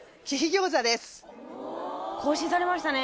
更新されましたね。